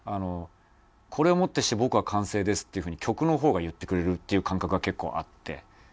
「これをもってして僕は完成です」っていう風に曲の方が言ってくれるっていう感覚が結構あって。